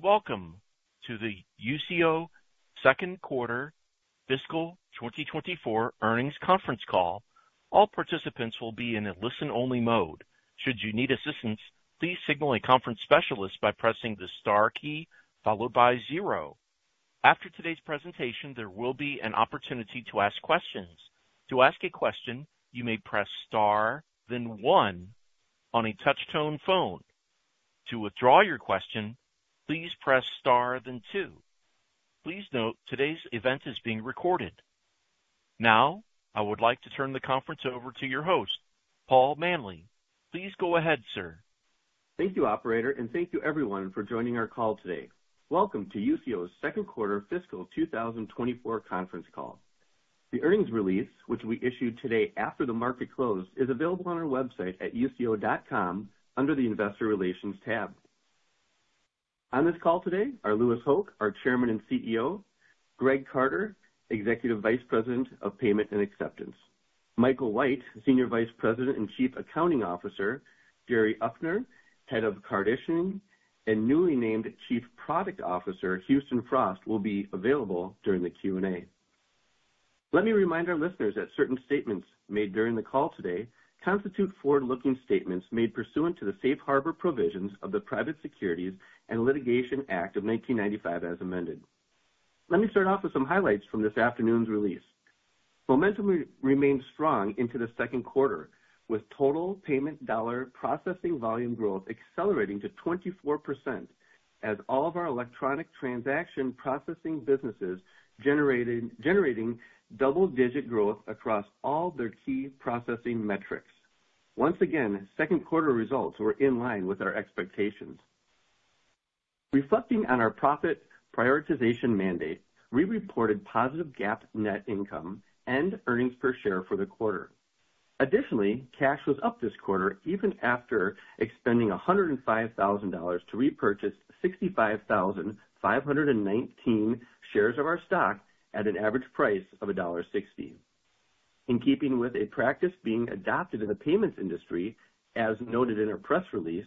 Welcome to the Usio second quarter fiscal 2024 earnings conference call. All participants will be in a listen-only mode. Should you need assistance, please signal a conference specialist by pressing the star key followed by 0. After today's presentation, there will be an opportunity to ask questions. To ask a question, you may press star, then 1 on a touch-tone phone. To withdraw your question, please press star, then 2. Please note, today's event is being recorded. Now, I would like to turn the conference over to your host, Paul Manley. Please go ahead, sir. Thank you, operator, and thank you everyone for joining our call today. Welcome to Usio's second quarter fiscal 2024 conference call. The earnings release, which we issued today after the market closed, is available on our website at usio.com under the Investor Relations tab. On this call today are Louis Hoch, our Chairman and CEO, Greg Carter, Executive Vice President of Payment Acceptance, Michael White, Senior Vice President and Chief Accounting Officer, Jerry Uffner, Head of Card Issuing, and newly named Chief Product Officer, Houston Frost, will be available during the Q&A. Let me remind our listeners that certain statements made during the call today constitute forward-looking statements made pursuant to the Safe Harbor Provisions of the Private Securities Litigation Reform Act of 1995, as amended. Let me start off with some highlights from this afternoon's release. Momentum remained strong into the second quarter, with total payment dollar processing volume growth accelerating to 24%, as all of our electronic transaction processing businesses generating double-digit growth across all their key processing metrics. Once again, second quarter results were in line with our expectations. Reflecting on our profit prioritization mandate, we reported positive GAAP net income and earnings per share for the quarter. Additionally, cash was up this quarter, even after expending $105,000 to repurchase 65,519 shares of our stock at an average price of $1.60. In keeping with a practice being adopted in the payments industry, as noted in our press release,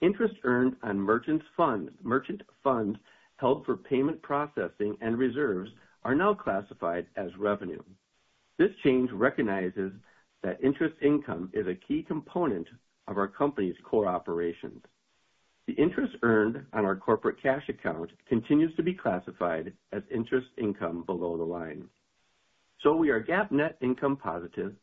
interest earned on merchant funds held for payment, processing, and reserves are now classified as revenue. This change recognizes that interest income is a key component of our company's core operations. The interest earned on our corporate cash account continues to be classified as interest income below the line. So we are GAAP net income positive,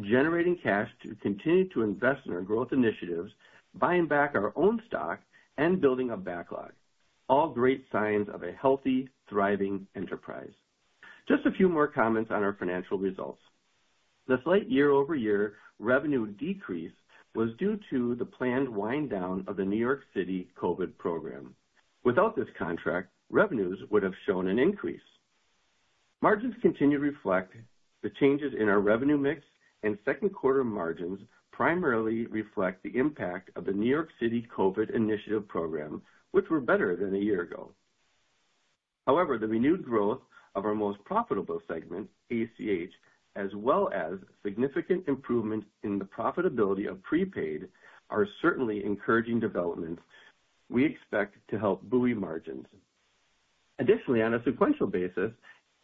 generating cash to continue to invest in our growth initiatives, buying back our own stock and building a backlog. All great signs of a healthy, thriving enterprise. Just a few more comments on our financial results. The slight year-over-year revenue decrease was due to the planned wind down of the New York City COVID program. Without this contract, revenues would have shown an increase. Margins continue to reflect the changes in our revenue mix, and second quarter margins primarily reflect the impact of the New York City COVID Initiative program, which were better than a year ago. However, the renewed growth of our most profitable segment, ACH, as well as significant improvement in the profitability of Prepaid, are certainly encouraging developments we expect to help buoy margins. Additionally, on a sequential basis,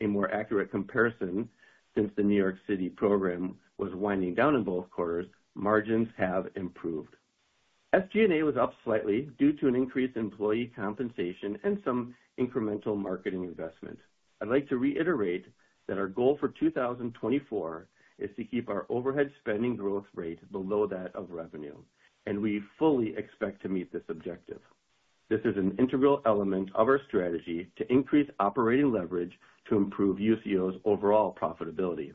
a more accurate comparison since the New York City program was winding down in both quarters, margins have improved. SG&A was up slightly due to an increased employee compensation and some incremental marketing investment. I'd like to reiterate that our goal for 2024 is to keep our overhead spending growth rate below that of revenue, and we fully expect to meet this objective. This is an integral element of our strategy to increase operating leverage to improve Usio's overall profitability.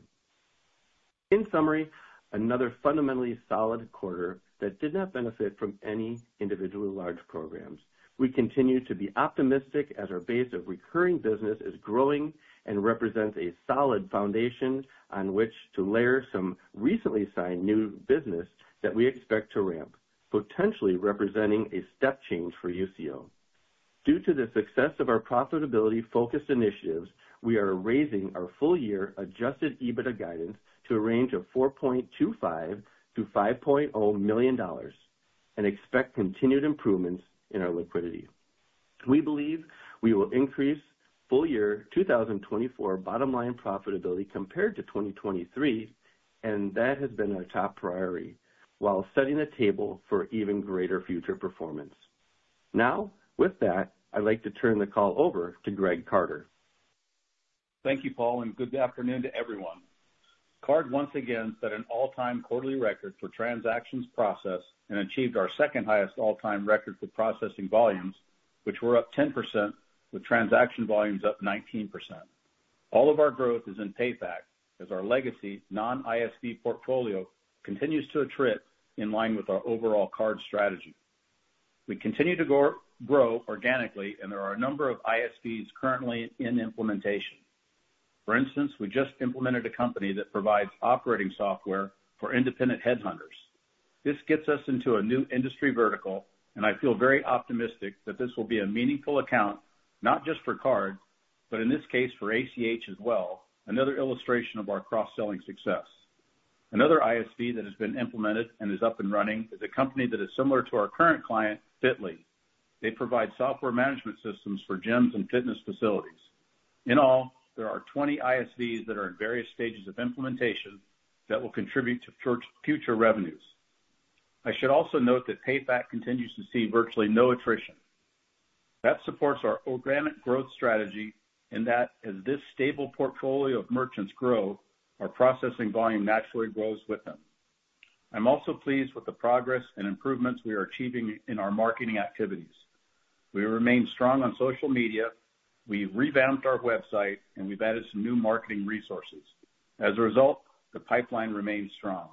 In summary, another fundamentally solid quarter that did not benefit from any individually large programs. We continue to be optimistic as our base of recurring business is growing and represents a solid foundation on which to layer some recently signed new business that we expect to ramp, potentially representing a step change for Usio. Due to the success of our profitability-focused initiatives, we are raising our full-year Adjusted EBITDA guidance to a range of $4.25 million-$5 million and expect continued improvements in our liquidity. We believe we will increase full year 2024 bottom line profitability compared to 2023, and that has been our top priority while setting the table for even greater future performance. Now, with that, I'd like to turn the call over to Greg Carter. Thank you, Paul, and good afternoon to everyone. Card once again set an all-time quarterly record for transactions processed and achieved our second highest all-time record for processing volumes, which were up 10%, with transaction volumes up 19%. All of our growth is in PayFac, as our legacy non-ISV portfolio continues to attract in line with our overall card strategy. We continue to grow organically, and there are a number of ISVs currently in implementation. For instance, we just implemented a company that provides operating software for independent headhunters. This gets us into a new industry vertical, and I feel very optimistic that this will be a meaningful account, not just for Card, but in this case for ACH as well, another illustration of our cross-selling success. Another ISV that has been implemented and is up and running is a company that is similar to our current client, Fitli. They provide software management systems for gyms and fitness facilities. In all, there are 20 ISVs that are in various stages of implementation that will contribute to future revenues. I should also note that PayFac continues to see virtually no attrition. That supports our organic growth strategy, and that as this stable portfolio of merchants grow, our processing volume naturally grows with them. I'm also pleased with the progress and improvements we are achieving in our marketing activities. We remain strong on social media, we've revamped our website, and we've added some new marketing resources. As a result, the pipeline remains strong.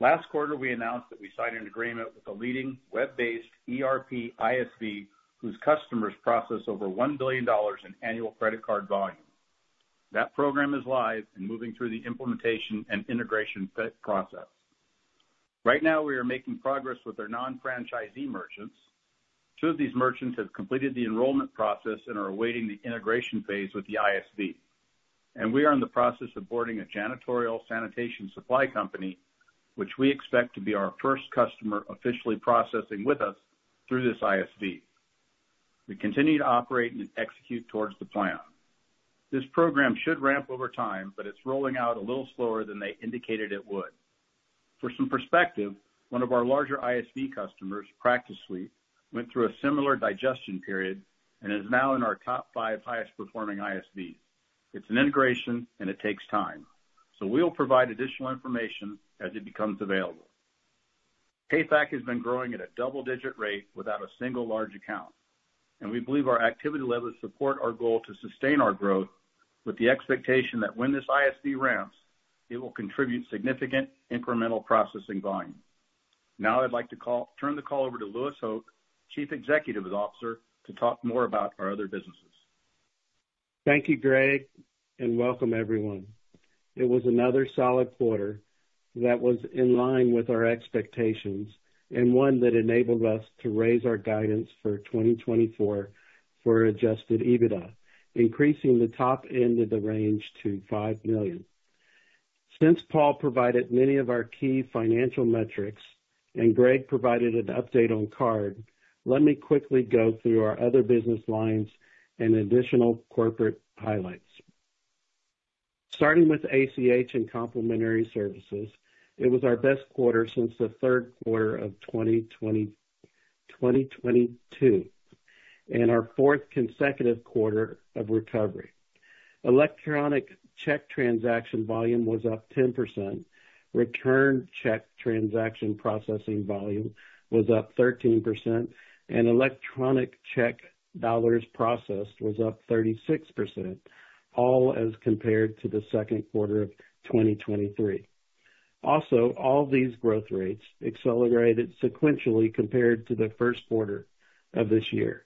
Last quarter, we announced that we signed an agreement with a leading web-based ERP ISV, whose customers process over $1 billion in annual credit card volume. That program is live and moving through the implementation and integration process. Right now, we are making progress with our non-franchisee merchants. Two of these merchants have completed the enrollment process and are awaiting the integration phase with the ISV, and we are in the process of boarding a janitorial sanitation supply company, which we expect to be our first customer officially processing with us through this ISV. We continue to operate and execute towards the plan. This program should ramp over time, but it's rolling out a little slower than they indicated it would. For some perspective, one of our larger ISV customers, PracticeSuite, went through a similar digestion period and is now in our top five highest performing ISV. It's an integration, and it takes time, so we'll provide additional information as it becomes available. PayFac has been growing at a double-digit rate without a single large account, and we believe our activity levels support our goal to sustain our growth with the expectation that when this ISV ramps, it will contribute significant incremental processing volume. Now I'd like to turn the call over to Louis Hoch, Chief Executive Officer, to talk more about our other businesses. Thank you, Greg, and welcome everyone. It was another solid quarter that was in line with our expectations and one that enabled us to raise our guidance for 2024 for adjusted EBITDA, increasing the top end of the range to $5 million. Since Paul provided many of our key financial metrics and Greg provided an update on card, let me quickly go through our other business lines and additional corporate highlights. Starting with ACH and complementary services, it was our best quarter since the third quarter of 2022, and our fourth consecutive quarter of recovery. Electronic check transaction volume was up 10%, return check transaction processing volume was up 13%, and electronic check dollars processed was up 36%, all as compared to the second quarter of 2023. Also, all these growth rates accelerated sequentially compared to the first quarter of this year.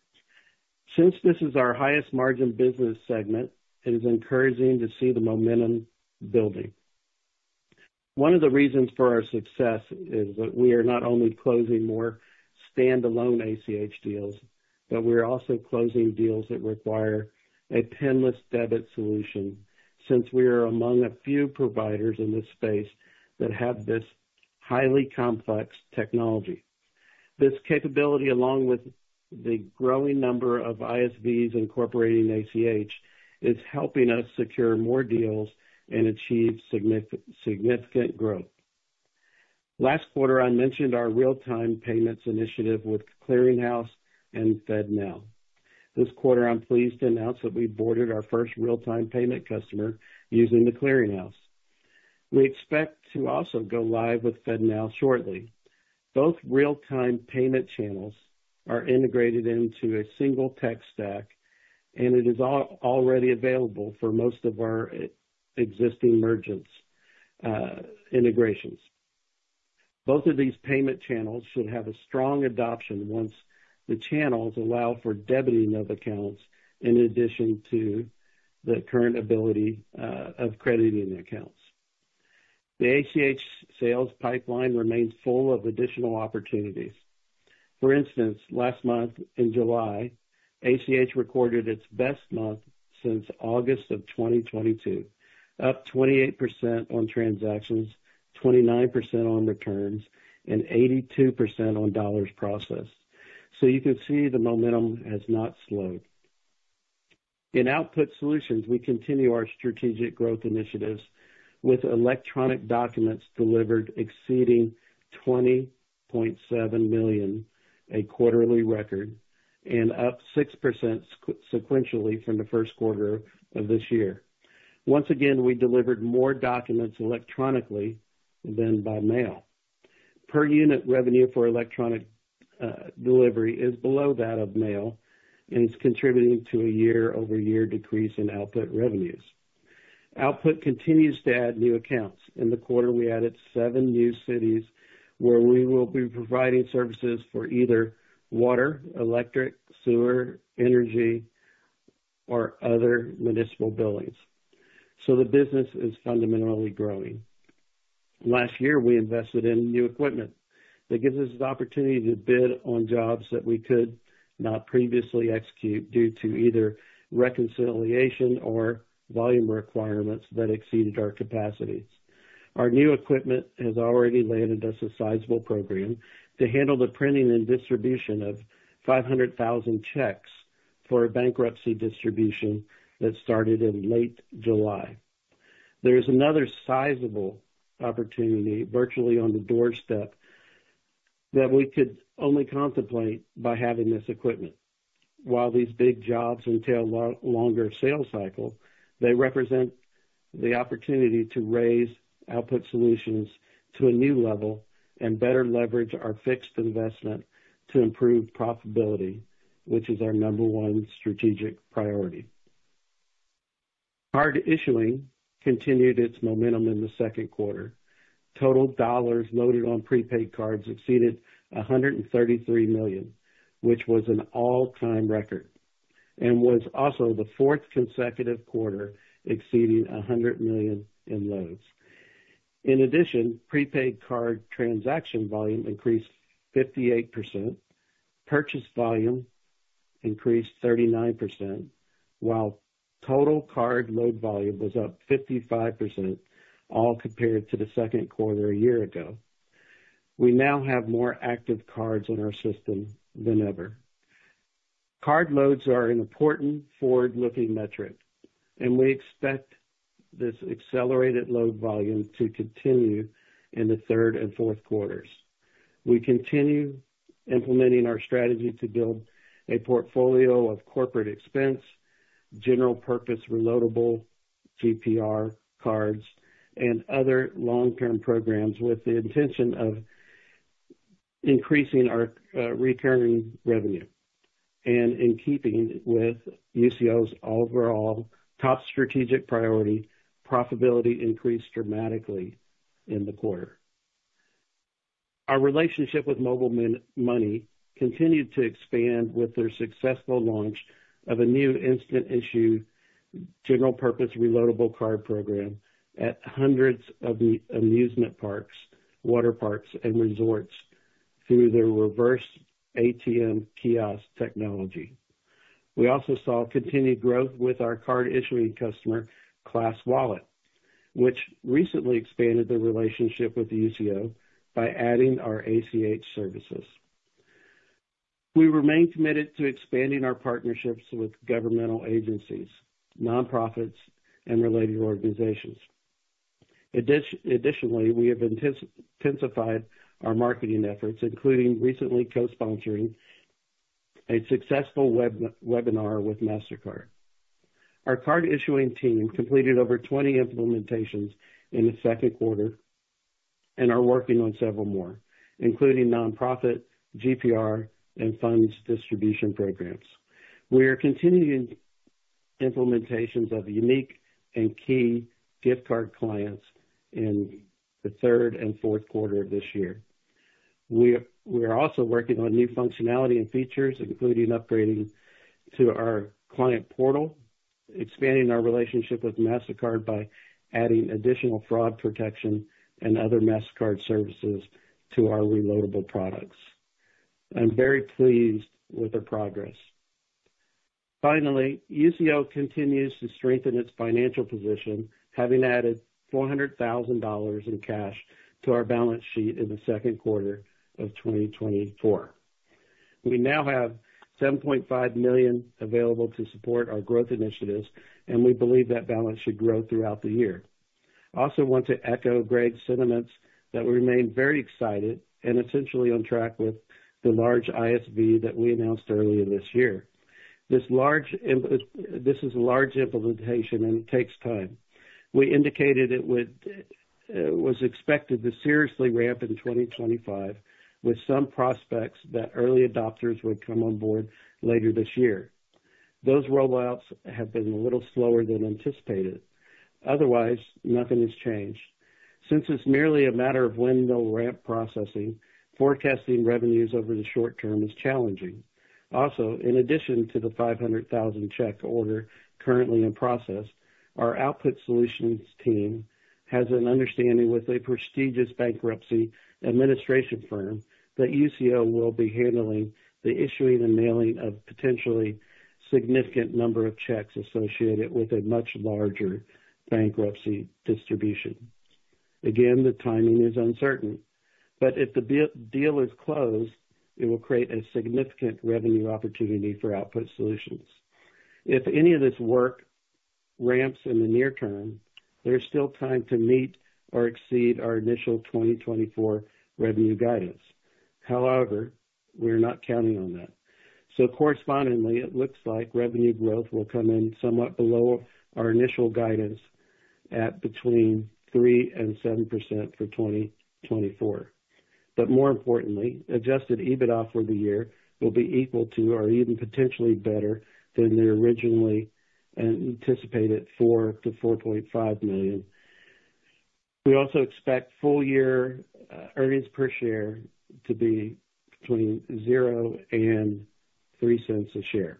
Since this is our highest margin business segment, it is encouraging to see the momentum building. One of the reasons for our success is that we are not only closing more standalone ACH deals, but we're also closing deals that require a PINless debit solution, since we are among a few providers in this space that have this highly complex technology. This capability, along with the growing number of ISVs incorporating ACH, is helping us secure more deals and achieve significant growth. Last quarter, I mentioned our real-time payments initiative with Clearing House and FedNow. This quarter, I'm pleased to announce that we've boarded our first real-time payment customer using the Clearing House. We expect to also go live with FedNow shortly. Both real-time payment channels are integrated into a single tech stack, and it is already available for most of our existing merchants, integrations. Both of these payment channels should have a strong adoption once the channels allow for debiting of accounts, in addition to the current ability of crediting accounts. The ACH sales pipeline remains full of additional opportunities. For instance, last month, in July, ACH recorded its best month since August of 2022, up 28% on transactions, 29% on returns, and 82% on dollars processed. So you can see the momentum has not slowed. In Output Solutions, we continue our strategic growth initiatives with electronic documents delivered exceeding 20.7 million, a quarterly record and up 6% sequentially from the first quarter of this year. Once again, we delivered more documents electronically than by mail. Per unit revenue for electronic delivery is below that of mail and is contributing to a year-over-year decrease in output revenues. Output continues to add new accounts. In the quarter, we added seven new cities where we will be providing services for either water, electric, sewer, energy, or other municipal billings. So the business is fundamentally growing. Last year, we invested in new equipment.... That gives us the opportunity to bid on jobs that we could not previously execute due to either reconciliation or volume requirements that exceeded our capacities. Our new equipment has already landed us a sizable program to handle the printing and distribution of 500,000 checks for a bankruptcy distribution that started in late July. There is another sizable opportunity virtually on the doorstep that we could only contemplate by having this equipment. While these big jobs entail longer sales cycle, they represent the opportunity to raise Output Solutions to a new level and better leverage our fixed investment to improve profitability, which is our number one strategic priority. Card issuing continued its momentum in the second quarter. Total dollars loaded on Prepaid cards exceeded $133 million, which was an all-time record, and was also the fourth consecutive quarter exceeding $100 million in loads. In addition, Prepaid card transaction volume increased 58%, purchase volume increased 39%, while total card load volume was up 55%, all compared to the second quarter a year ago. We now have more active cards in our system than ever. Card loads are an important forward-looking metric, and we expect this accelerated load volume to continue in the third and fourth quarters. We continue implementing our strategy to build a portfolio of corporate expense, general purpose reloadable GPR cards, and other long-term programs, with the intention of increasing our recurring revenue. And in keeping with Usio's overall top strategic priority, profitability increased dramatically in the quarter. Our relationship with MobileMoney continued to expand with their successful launch of a new instant issue general purpose reloadable card program at hundreds of amusement parks, water parks, and resorts through their reverse ATM kiosk technology. We also saw continued growth with our Card Issuing customer, ClassWallet, which recently expanded the relationship with Usio by adding our ACH services. We remain committed to expanding our partnerships with governmental agencies, nonprofits, and related organizations. Additionally, we have intensified our marketing efforts, including recently co-sponsoring a successful webinar with Mastercard. Our Card Issuing team completed over 20 implementations in the second quarter and are working on several more, including nonprofit, GPR, and funds distribution programs. We are continuing implementations of unique and key gift card clients in the third and fourth quarter of this year. We are also working on new functionality and features, including upgrading to our client portal, expanding our relationship with Mastercard by adding additional fraud protection and other Mastercard services to our reloadable products. I'm very pleased with their progress. Finally, Usio continues to strengthen its financial position, having added $400,000 in cash to our balance sheet in the second quarter of 2024. We now have $7.5 million available to support our growth initiatives, and we believe that balance should grow throughout the year. I also want to echo Greg's sentiments that we remain very excited and essentially on track with the large ISV that we announced earlier this year. This is a large implementation, and it takes time. We indicated it would was expected to seriously ramp in 2025, with some prospects that early adopters would come on board later this year. Those rollouts have been a little slower than anticipated, otherwise, nothing has changed. Since it's merely a matter of when they'll ramp processing, forecasting revenues over the short term is challenging. Also, in addition to the 500,000 check order currently in process, our Output Solutions team has an understanding with a prestigious bankruptcy administration firm that Usio will be handling the issuing and mailing of potentially significant number of checks associated with a much larger bankruptcy distribution. Again, the timing is uncertain, but if the deal is closed, it will create a significant revenue opportunity for Output Solutions. If any of this work ramps in the near term, there's still time to meet or exceed our initial 2024 revenue guidance. However, we're not counting on that. So correspondingly, it looks like revenue growth will come in somewhat below our initial guidance at 3%-7% for 2024. But more importantly, Adjusted EBITDA for the year will be equal to or even potentially better than the originally anticipated $4 million-$4.5 million. We also expect full year earnings per share to be between $0.00 and $0.03 a share.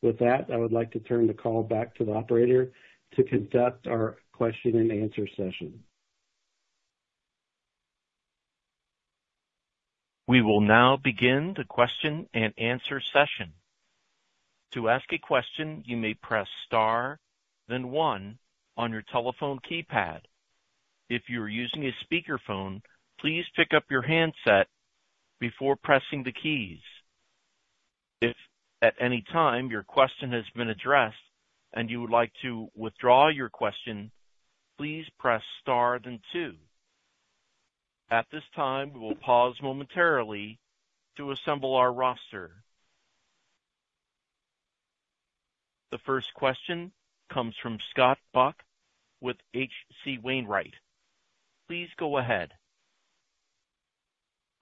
...With that, I would like to turn the call back to the operator to conduct our question and answer session. We will now begin the question and answer session. To ask a question, you may press star, then one on your telephone keypad. If you are using a speakerphone, please pick up your handset before pressing the keys. If at any time your question has been addressed and you would like to withdraw your question, please press star, then two. At this time, we will pause momentarily to assemble our roster. The first question comes from Scott Buck with H.C. Wainwright. Please go ahead.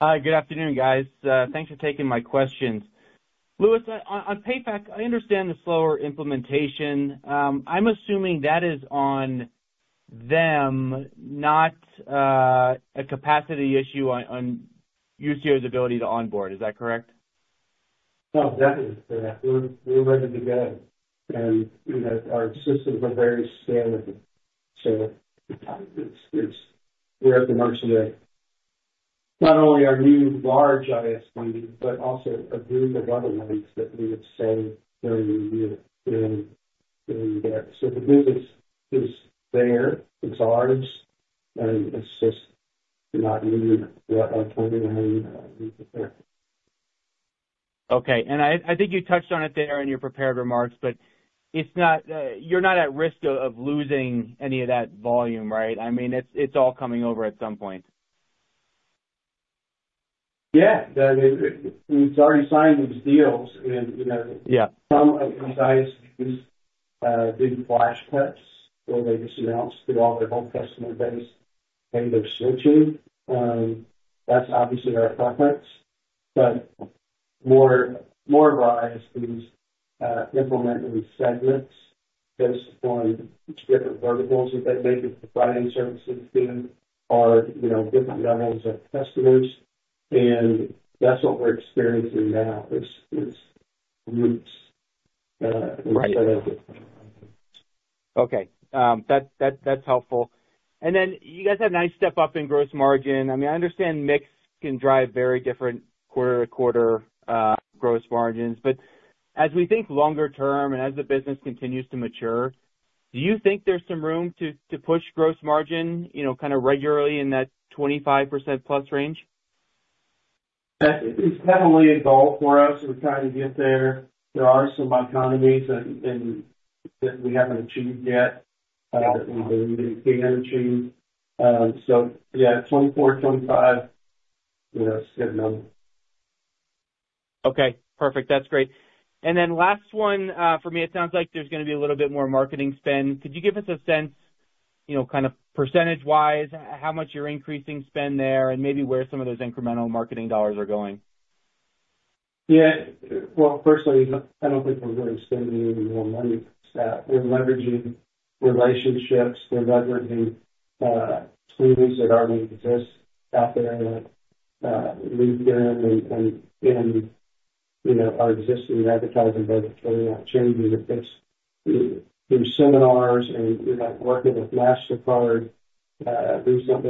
Hi, good afternoon, guys. Thanks for taking my questions. Louis, on, on PayFac, I understand the slower implementation. I'm assuming that is on them, not, a capacity issue on, on Usio's ability to onboard. Is that correct? No, definitely. We're ready to go. And, you know, our systems are very scalable, so it's we're at the mercy of not only our new large ISV, but also a group of other ones that we would say during the year in that. So the business is there, it's large, and it's just not needing what I pointed out. Okay. And I think you touched on it there in your prepared remarks, but it's not, you're not at risk of losing any of that volume, right? I mean, it's all coming over at some point. Yeah. We've already signed these deals and, you know- Yeah. Some of these guys did flash cuts, where they just announced to all their home customer base, and they're switching. That's obviously our preference. But more of our ISVs implement these segments based on which different verticals that they make it, providing services in are, you know, different levels of customers, and that's what we're experiencing now. It's roots. Right. Instead of it. Okay. That, that's helpful. Then you guys had a nice step up in gross margin. I mean, I understand mix can drive very different quarter to quarter gross margins, but as we think longer term and as the business continues to mature, do you think there's some room to push gross margin, you know, kind of regularly in that 25%+ range? That is definitely a goal for us, and we're trying to get there. There are some economies and that we haven't achieved yet, that we can achieve. So yeah, 2024, 2025, you know, good number. Okay, perfect. That's great. And then last one for me, it sounds like there's gonna be a little bit more marketing spend. Could you give us a sense, you know, kind of percentage-wise, how much you're increasing spend there, and maybe where some of those incremental marketing dollars are going? Yeah. Well, firstly, I don't think we're really spending any more money, Scott. We're leveraging relationships, we're leveraging tools that already exist out there, LinkedIn and, and, you know, our existing advertising budget, we're not changing it. It's through seminars, and we're not working with Mastercard recently.